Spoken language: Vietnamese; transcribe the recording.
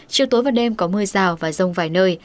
chiều tối và đêm có mưa rào và rông vài nơi